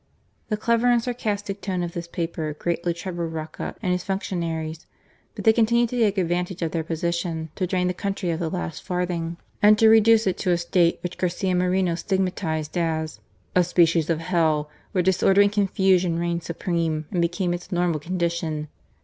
The clever and sarcastic tone of this paper greatly troubled Roca and his func tionaries ; but they continued to take advantage of their position to drain the country of the last farthing, and to reduce it to a state which Garcia Moreno stigmatized as, "A species of Hell, where disorder and confusion reigned supreme and became its normal condition."